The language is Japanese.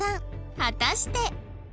果たして